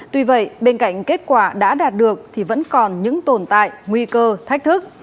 tuy vậy bên cạnh kết quả đã đạt được thì vẫn còn những tồn tại nguy cơ thách thức